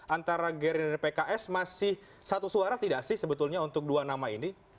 antara gerindra dan pks masih satu suara tidak sih sebetulnya untuk dua nama ini